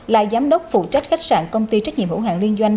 là giám đốc phụ trách khách sạn công ty trách nhiệm hữu hạng liên doanh